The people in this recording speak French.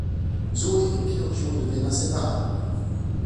Zoé et Pinocchio deviennent inséparables.